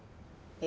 え。